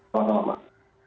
selamat malam pak